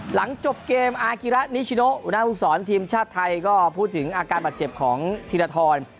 หลังจบเกมอากิระนิชิโนหัวหน้าภูมิสอนทีมชาติไทยก็พูดถึงอาการบาดเจ็บของธีรทร